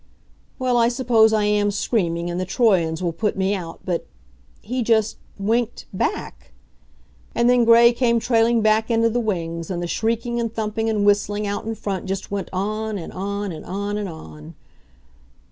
Well, I suppose I am screaming and the Troyons will put me out, but he just winked back! And then Gray came trailing back into the wings, and the shrieking and thumping and whistling out in front just went on and on and on and on.